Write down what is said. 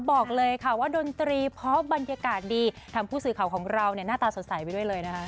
บอกเลยค่ะว่าดนตรีเพราะบรรยากาศดีทำผู้สื่อข่าวของเราเนี่ยหน้าตาสดใสไปด้วยเลยนะคะ